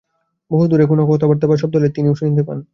বহুদূরে কোন কথাবার্তা বা শব্দ হইলে তাহাও তিনি শুনিতে পান।